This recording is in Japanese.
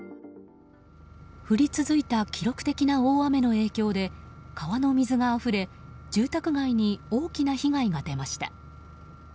降り続いた記録的な大雨の影響で川の水があふれ住宅街に大きな被害が出ました。